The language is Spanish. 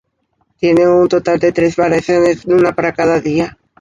Tiene un total de tres variaciones, una para cada día.